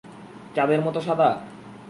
চাঁদের মতো সাদা?